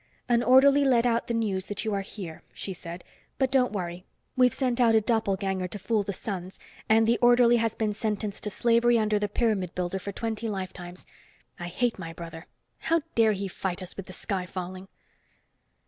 "An orderly let out the news that you are here," she said. "But don't worry. We've sent out a doppelganger to fool the Sons, and the orderly has been sentenced to slavery under the pyramid builder for twenty lifetimes. I hate my brother! How dare he fight us with the sky falling?"